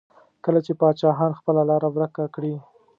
کله چې پاچاهان خپله لاره ورکه کړي.